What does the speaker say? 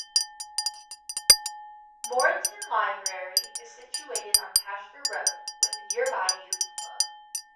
Moreton Library is situated on Pasture Road, with a nearby youth club.